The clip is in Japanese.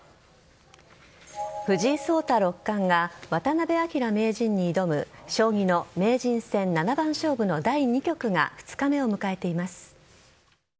藤井聡太六冠が渡辺明名人に挑む将棋の名人戦七番勝負の第２局が２日目を迎えています。